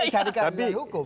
cari keadilan hukum